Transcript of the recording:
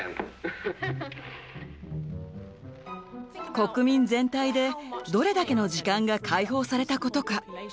国民全体でどれだけの時間が解放されたことか。